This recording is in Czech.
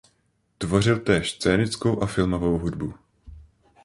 Tvořil též scénickou a filmovou hudbu.